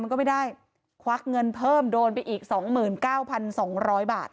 มันก็ไม่ได้ควักเงินเพิ่มโดนไปอีกสองหมื่นเก้าพันสองร้อยบาท